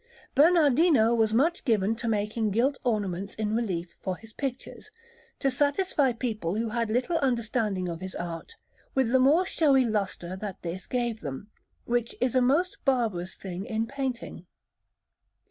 Bernardino was much given to making gilt ornaments in relief for his pictures, to satisfy people who had little understanding of his art with the more showy lustre that this gave them, which is a most barbarous thing in painting.